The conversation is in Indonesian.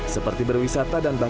seperti berwisata dan berbicara